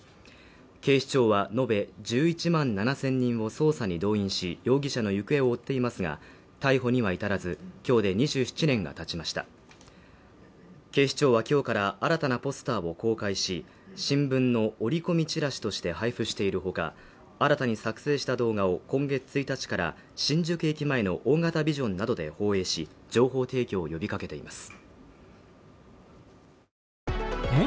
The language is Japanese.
警視庁は延べ１１万７０００人も捜査に動員し容疑者の行方を追っていますが逮捕には至らず今日で２７年がたちました警視庁はきょうから新たなポスターも公開し新聞の折り込みチラシとして配布しているほか新たに作成した動画を今月１日から新宿駅前の大型ビジョンなどで放映し情報提供を呼びかけています